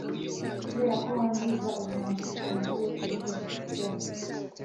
kubera ko wangiza ubuhanzi bushingiye ku ndirimbo gakondo